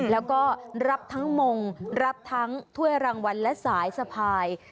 แล้วก็รับทั้งมงถ้วยรางวัลและสายสภาย